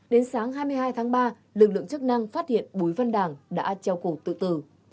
đến sáng hai mươi hai tháng ba lực lượng chức năng phát hiện bùi văn đảng đã treo cổ tự tử